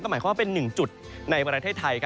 หมายความว่าเป็น๑จุดในประเทศไทย